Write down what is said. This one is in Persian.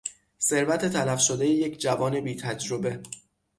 ثروت تلف شدهی یک جوان بیتجربه